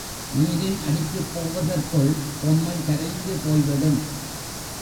நீரின் அடிக்குப் போவதற்குள் பொம்மை கரைந்து போய்விடும்.